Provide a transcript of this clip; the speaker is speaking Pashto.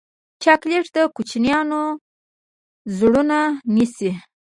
چاکلېټ د کوچنیانو زړونه نیسي.